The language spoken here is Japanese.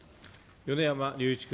米山隆一君。